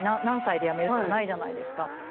何歳で辞めるとかないじゃないですか。